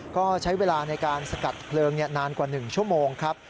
ก็ใช้เวลาในการสกัดเพลิงนานกว่า๑ชั่วโมงครับ